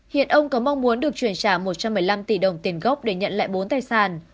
hiện ông có mong muốn được chuyển trả một trăm một mươi năm tỷ đồng tiền gốc để nhận lại bốn tài sản